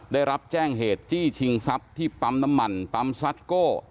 ได้รับแจ้งเหตุจี้ชิงทรัพย์ที่ปั๊มน้ำมันปั๊มซัดโก้